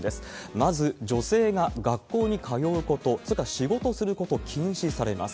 まず、女性が学校に通うこと、それから仕事することを禁止されます。